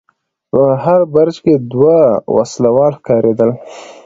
په هر برج کې دوه وسلوال ښکارېدل.